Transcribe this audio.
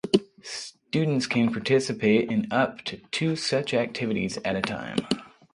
Students can participate in up to two such activities at a time.